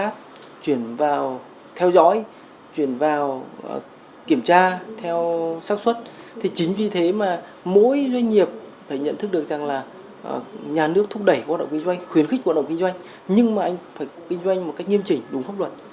khuyến khích hoạt động kinh doanh nhưng mà anh phải kinh doanh một cách nghiêm chỉnh đúng pháp luật